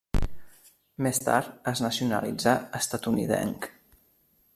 Més tard es nacionalitzà estatunidenc.